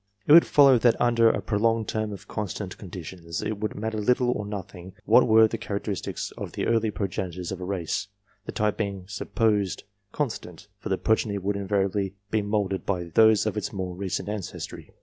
It would follow that under a prolonged term of con stant conditions, it would matter little or nothing what were the characteristics of the early progenitors of a race, the type being supposed constant, for the progeny would invariably be moulded by those of its more recent ancestry.